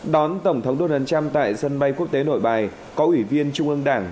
đón tổng thống donald trump tại sân bay quốc tế nội bài có ủy viên trung ương đảng